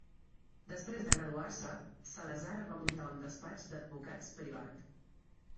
Després de graduar-se, Salazar va muntar un despatx d'advocats privat.